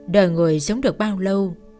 đời người sống được bao lâu